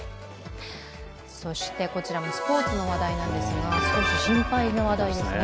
こちらもスポーツの話題なんですが、少し心配な話題ですね。